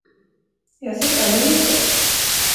Jag ser fram emot det!